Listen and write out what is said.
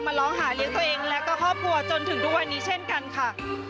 ร้องหาเลี้ยงตัวเองและก็ครอบครัวจนถึงทุกวันนี้เช่นกันค่ะ